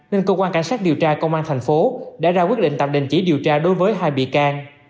nên cơ quan cảnh sát điều tra công an thành phố đã ra quyết định tạm đình chỉ điều tra đối với hai bị can